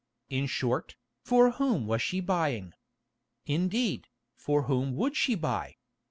In short, for whom was she buying? Indeed, for whom would she buy?